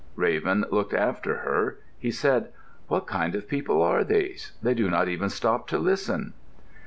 Raven looked after her. He said, "What kind of people are these? They do not even stop to listen."